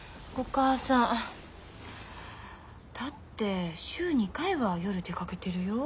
だって週２回は夜出かけてるよ。